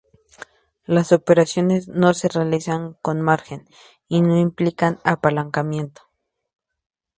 Las operaciones no se realizan con margen y no implican apalancamiento.